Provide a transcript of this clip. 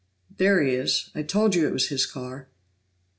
"There he is! I told you it was his car."